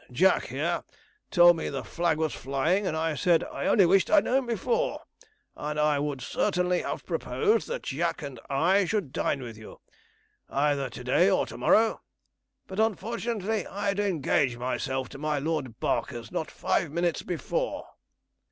Jack, here, told me the flag was flying; and I said I only wished I'd known before, and I would certainly have proposed that Jack and I should dine with you, either to day or to morrow; but unfortunately I'd engaged myself to my Lord Barker's not five minutes before.'